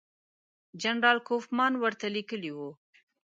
جنرال کوفمان ورته لیکلي وو.